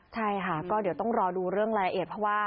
ใช่ค่ะก็เดี๋ยวต้องรอดูเรื่องละเอียด